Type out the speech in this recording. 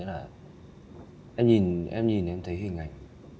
em sợ có nghĩa là em nhìn em thấy hình ảnh